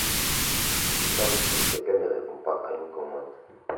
Ce qui semble sûr, c'est qu'elle ne répond pas à une commande.